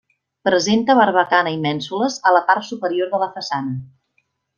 Presenta barbacana i mènsules a la part superior de la façana.